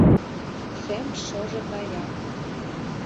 Шем шыже гаяк